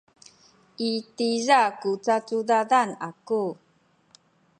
i tiza ku cacudadan aku.